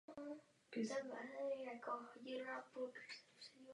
Velmi jsem usiloval o dosažení poměrně silného konsensu.